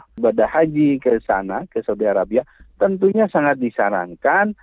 bagi bada haji ke sana ke saudi arabia tentunya sangat disarankan